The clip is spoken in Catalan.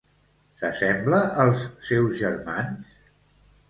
S'assembla als seus germans?